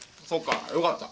そうか。